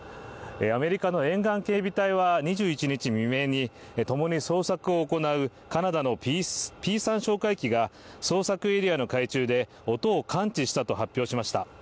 アメリカの沿岸警備隊は２１日未明に共に捜索を行うカナダのＰ３哨戒機が捜索エリアの海中で音を感知したと発表しました。